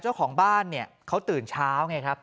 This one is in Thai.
เจ้าของบ้านเนี่ยเขาตื่นเช้าไงครับ